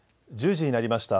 １０時になりました。